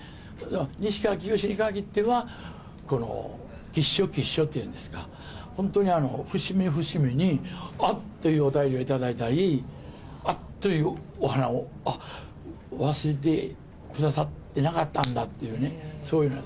西川きよしにかぎっては、っていうんですか、本当に節目節目にあっというお便りを頂いたり、あっというお花を、あっ、忘れてくださってなかったんだっていうね、そういうような。